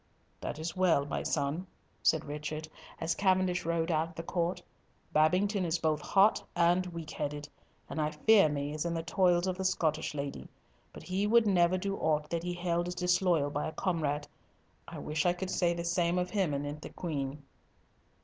"That is well, my son," said Richard, as Cavendish rode out of the court. "Babington is both hot and weak headed, and I fear me is in the toils of the Scottish lady; but he would never do aught that he held as disloyal by a comrade. I wish I could say the same of him anent the Queen."